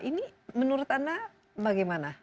ini menurut anda bagaimana